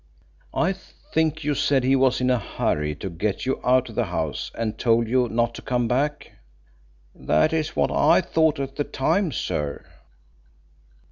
"I think you said he was in a hurry to get you out of the house, and told you not to come back?" "That is what I thought at the time, sir."